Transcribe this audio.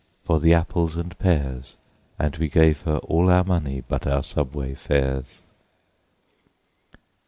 for the apples and pears, And we gave her all our money but our subway fares.